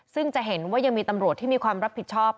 ซึ่งจะเห็นว่ายังมีตำรวจที่มีความรับผิดชอบ